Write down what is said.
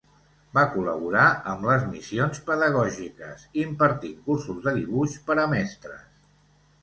Va col·laborar amb les Missions Pedagògiques impartint cursos de dibuix per a mestres.